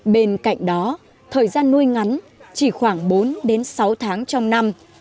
bên cạnh đó thời gian nuôi ngắn chỉ khoảng bốn sáu tháng trong năm